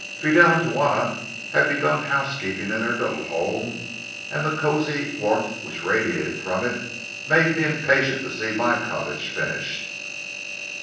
Fidel and Juana had begun housekeeping in their little home, and the cosy warmth which radiated from it made me impatient to see my cottage finished.